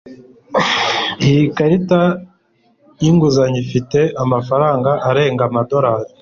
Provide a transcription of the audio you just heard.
Iyi karita yinguzanyo ifite amafaranga arenga $